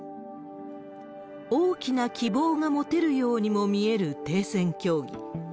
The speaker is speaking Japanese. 大きな希望が持てるようにも見える停戦協議。